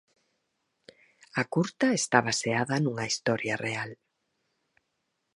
A curta está baseada nunha historia real.